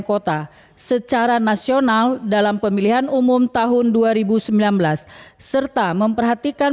kota secara nasional dalam pemilihan umum tahun dua ribu sembilan belas serta memperhatikan